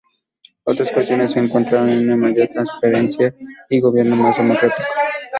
Otras cuestiones se centraron en una mayor transparencia y un gobierno más democrático.